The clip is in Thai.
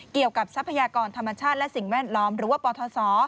ทรัพยากรธรรมชาติและสิ่งแวดล้อมหรือว่าปทศ